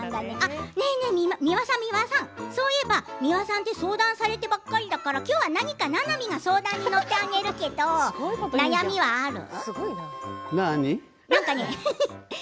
美輪さん、そういえば美輪さんは相談されてばっかりだからきょうは何かななみが相談に乗ってあげるけど悩みはある？